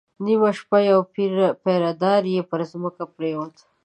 نيمه شپه يو پيره دار پر ځمکه پرېووت.